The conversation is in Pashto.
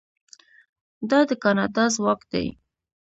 دا د کاناډا ځواک دی.